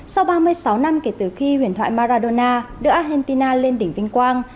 sau ba mươi sáu năm kể từ khi huyền thoại maradona đưa argentina lên đỉnh vinh quang